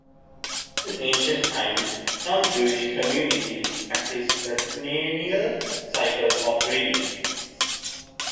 In ancient times some Jewish communities practiced a triennial cycle of readings.